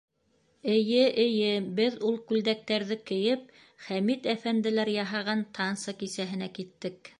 - Эйе, эйе, беҙ, ул күлдәктәрҙе кейеп, Хәмит әфәнделәр яһаған танса кисәһенә киттек.